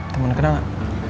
taman kenang gak